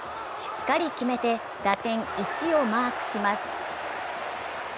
しっかり決めて打点１をマークします。